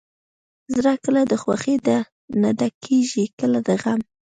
زړه کله د خوښۍ نه ډکېږي، کله د غم.